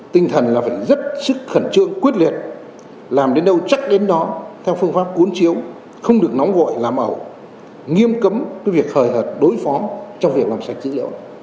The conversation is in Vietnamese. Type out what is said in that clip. tinh thần là phải rất sức khẩn trương quyết liệt làm đến đâu chắc đến đó theo phương pháp cuốn chiếu không được nóng vội làm ẩu nghiêm cấm việc khởi hợp đối phó trong việc làm sạch dữ liệu